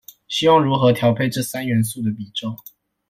希望如何調配這三元素的比重